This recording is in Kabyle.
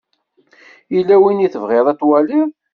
Yella win i tebɣiḍ ad twaliḍ?